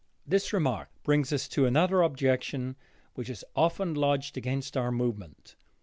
This remark brings us to another objection which is often lodged against our movement.